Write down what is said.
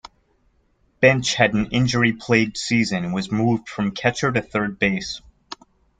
Bench had an injury plagued season and was moved from catcher to third base.